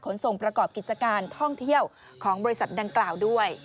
ส่งประกอบกิจการท่องเที่ยวของบริษัทดังกล่าวด้วย